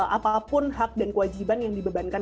apapun hak dan kewajiban yang dibebankan